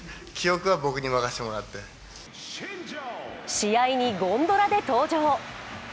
試合にゴンドラで登場。